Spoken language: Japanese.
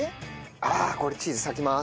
ああこれチーズさきます。